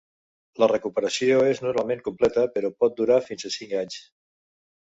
La recuperació es normalment completa, però pot durar fins a cinc anys.